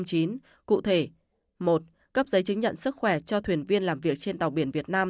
cụ thể một cấp giấy chứng nhận sức khỏe cho thuyền viên làm việc trên tàu biển việt nam